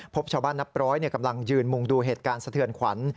พบชาวบ้านนับร้อยกำลังยืนมุงดูเหตุการณ์สะเทือนขวัญ